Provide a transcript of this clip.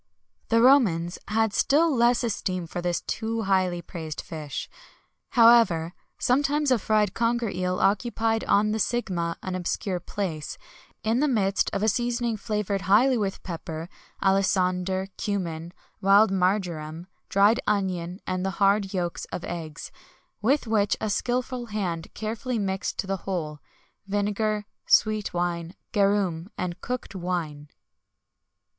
The Romans had still less esteem for this too highly praised fish. However, sometimes a fried conger eel occupied on the sigma an obscure place, in the midst of a seasoning flavoured highly with pepper, alisander, cummin, wild marjoram, dried onion, and hard yolks of eggs; with which a skilful hand carefully mixed to the whole, vinegar, sweet wine, garum, and cooked wine.